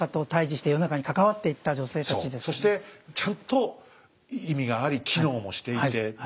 そうそしてちゃんと意味があり機能もしていてっていうね。